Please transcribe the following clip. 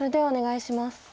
お願いします。